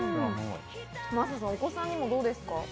真麻さん、お子さんにどうですか？